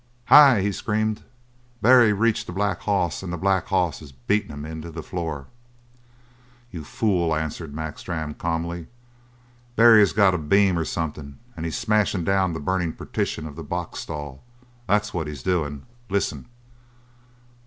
"Hei!" he screamed, "Barry's reached the black hoss and the black hoss is beating him into the floor!" "You fool!" answered Mac Strann calmly, "Barry has got a beam or something and he's smashing down the burning partition of the box stall. That's what he's doing; listen!"